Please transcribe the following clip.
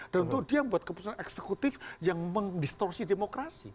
dan untuk dia membuat keputusan eksekutif yang mendistorsi demokrasi